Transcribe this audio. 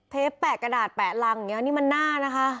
เทปแปะกระดาษแปะรังอันนี้มันหน้านะคะ